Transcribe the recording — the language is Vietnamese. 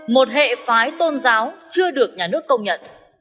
một hệ phái tôn giáo chưa được nhà nước công nhận